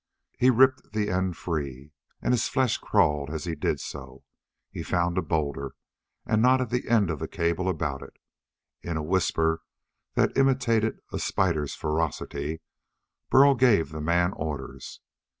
He ripped the end free and his flesh crawled as he did so. He found a boulder and knotted the end of the cable about it. In a whisper that imitated a spider's ferocity, Burl gave the man orders.